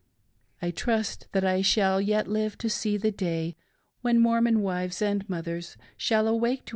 I trust that I shall yet live to see the day when the Mormon wives and mothers shall awak« to V ENVOI.